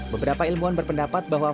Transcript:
beberapa ilmuwan berpendapat bahwa